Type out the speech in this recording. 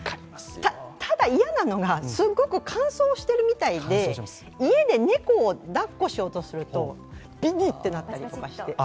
ただ、嫌なのが、すごく乾燥しているみたいで家で猫を抱っこしようとするとビリッてなったりして。